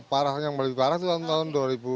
parah yang paling parah itu tahun dua ribu dua